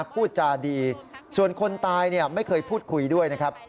พูดจาดีส่วนคนตายไม่เคยพูดคุยด้วยนะครับ